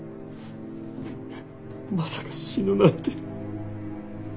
まさか死ぬなんて。